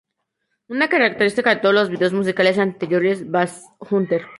Una característica de todos los videos musicales anteriores Basshunter.